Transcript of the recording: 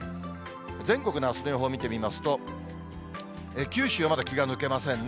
全国のあすの予報見てみますと、九州はまだ気が抜けませんね。